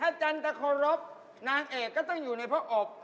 ถ้าจันตโฆรพนางเอกก็ต้องอยู่ในเพราะอบ